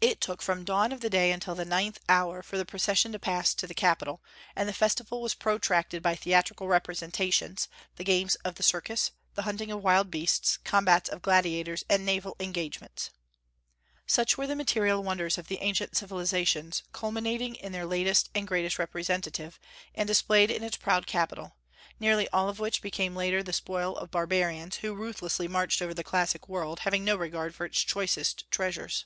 It took from dawn of day until the ninth hour for the procession to pass to the capitol; and the festival was protracted by theatrical representations, the games of the circus, the hunting of wild beasts, combats of gladiators, and naval engagements." Such were the material wonders of the ancient civilizations, culminating in their latest and greatest representative, and displayed in its proud capital, nearly all of which became later the spoil of barbarians, who ruthlessly marched over the classic world, having no regard for its choicest treasures.